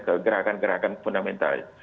ke gerakan gerakan fundamentalis